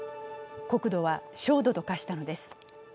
国土は焦土と化したのです。